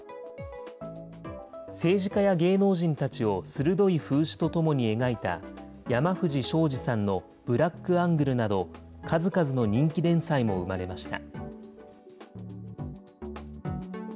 政治家や芸能人たちを鋭い風刺とともに描いた、山藤章二さんのブラック・アングルなど、数々の人気連載も生まれました。